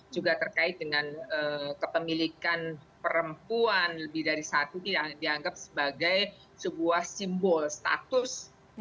juga terkait dengan kepemilikan perempuan lebih dari satu yang dianggap sebagai sebuah simbol status